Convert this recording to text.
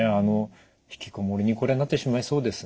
引きこもりにこれはなってしまいそうですよね。